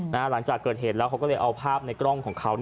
หลังจากเกิดเหตุแล้วเขาก็เลยเอาภาพในกล้องของเขา